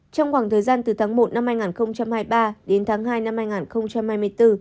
trong khoảng thời gian từ tháng một năm hai nghìn hai mươi ba đến tháng hai năm hai nghìn hai mươi bốn